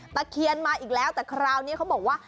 ตะเคียนมาอีกแล้วแต่คราวนี้เขาบอกว่า